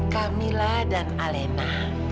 kamilah dan alena